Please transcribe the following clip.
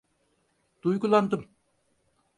Duygulandım.